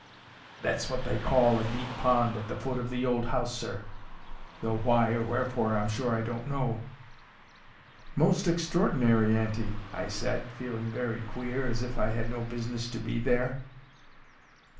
That's what they call a deep pond at the foot of the old house, sir; though why or wherefore, I'm sure I don't know. 'Most extraordinary, auntie!' I said, feeling very queer, and as if I really had no business to be there.